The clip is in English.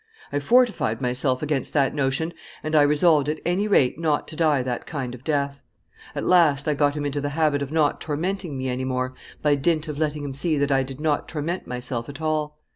I fortified myself against that notion, and I resolved at any rate not to die that kind of death. At last I got him into the habit of not tormenting me any more, by dint of letting him see that I did not torment myself at all.